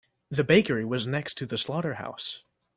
The bakery was next to the slaughterhouse.